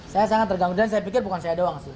saya sangat terganggu dan saya pikir bukan saya doang sih